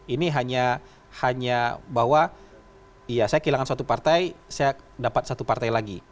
ini hanya bahwa ya saya kehilangan satu partai saya dapat satu partai lagi